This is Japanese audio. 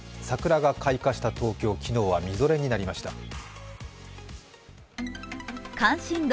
桜が開花した東京、昨日はみぞれになりました。